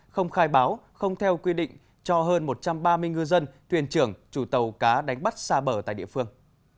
không khai báo không theo quy định cho hơn một trăm ba mươi ngư dân thuyền trưởng chủ tàu cá đánh bắt xa bờ tại địa phương